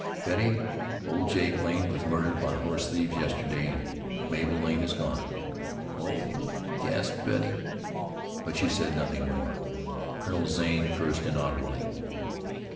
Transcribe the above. "Betty, old Jake Lane was murdered by horse thieves yesterday, and Mabel Lane is gone." "Oh!" gasped Betty; but she said nothing more. Colonel Zane cursed inaudibly.